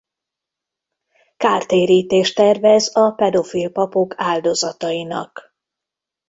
Kártérítést tervez a pedofil papok áldozatainak.